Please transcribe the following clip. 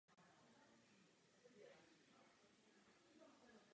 Komise se v interinstitucionálních dohodách zavázala odpovídat na jejich návrhy.